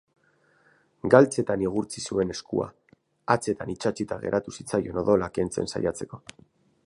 Galtzetan igurtzi zuen eskua, hatzetan itsatsita geratu zitzaion odola kentzen saiatzeko.